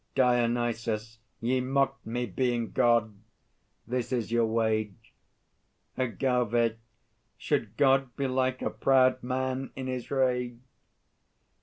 DIONYSUS. Ye mocked me, being God; this is your wage. AGAVE. Should God be like a proud man in his rage?